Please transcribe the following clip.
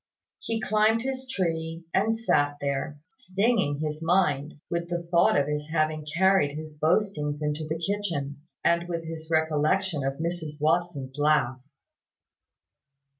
He climbed his tree, and sat there, stinging his mind with the thought of his having carried his boastings into the kitchen, and with his recollection of Mrs Watson's laugh.